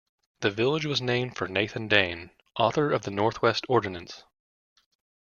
The village was named for Nathan Dane, author of the Northwest Ordinance.